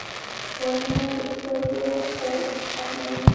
وژنه د سترګو خوب ختموي